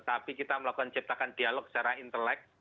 tapi kita melakukan ciptakan dialog secara intelek